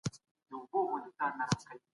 که ځوانان معتاد سي نو راتلونکی خرابېږي.